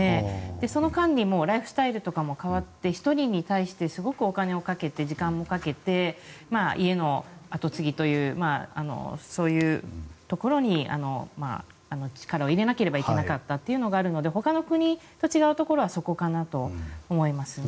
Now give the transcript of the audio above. その間にライフスタイルとかも変わって１人に対してすごくお金をかけて時間もかけて家の後継ぎというそういうところに力を入れなければいけなかったというのがあるのでほかの国と違うところはそこかなと思いますね。